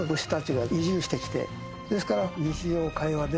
ですから。